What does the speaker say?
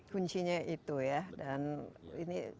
kuncinya itu ya dan ini